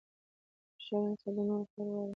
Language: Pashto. هوښیار انسان د نورو خیر غواړي.